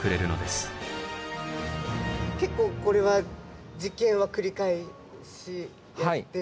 結構これは実験は繰り返しやってる？